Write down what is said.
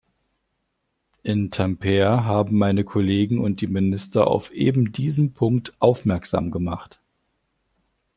In Tampere haben meine Kollegen und die Minister auf eben diesen Punkt aufmerksam gemacht.